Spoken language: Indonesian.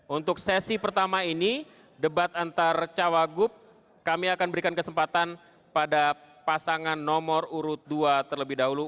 untuk sesi pertama ini debat antar cawagup kami akan berikan kesempatan pada pasangan nomor urut dua terlebih dahulu